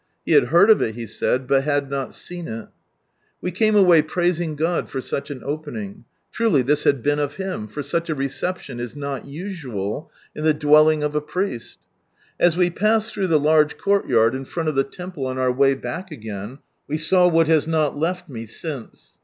He had heard of rt, he said, but not seen iL We came away praising God for such an opening, truly this had been of Him, for such a reception is not usual in the dwelling of a Priest. As we passed through the large courtyard in front of the temple on our way back again, we saw what has not left me since.